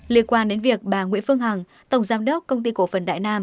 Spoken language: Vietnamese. liên quan đến việc bà nguyễn phương hằng tổng giám đốc công ty cổ phần đại nam